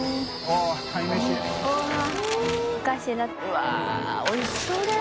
うわっおいしそうだね。